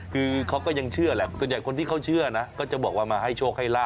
คือเค้าก็ยังเชื่อแหละ